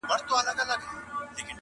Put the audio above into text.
سپرلی ټینګه وعده وکړي چي راځمه-